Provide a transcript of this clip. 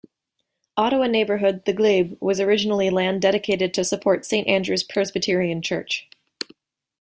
Ottawa neighbourhood The Glebe was originally land dedicated to support Saint Andrew's Presbyterian Church.